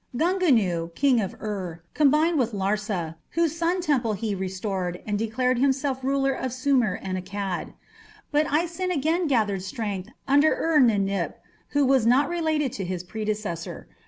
Gungunu, King of Ur, combined with Larsa, whose sun temple he restored, and declared himself ruler of Sumer and Akkad. But Isin again gathered strength under Ur Ninip, who was not related to his predecessor.